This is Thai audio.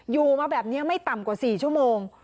อยู่มาแบบนี้ไม่ต่ำกว่า๔ชั่วโมง